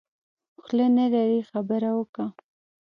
خوله نلرې خبره وکه.